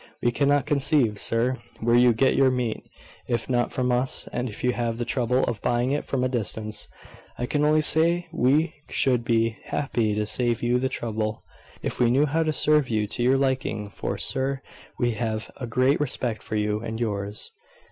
We cannot conceive, sir, where you get your meat, if not from us; and if you have the trouble of buying it from a distance, I can only say we should be happy to save you the trouble, if we knew how to serve you to your liking; for, sir, we have a great respect for you and yours.